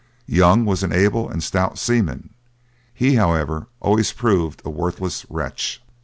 'Young was an able and stout seaman; he, however, always proved a worthless wretch.'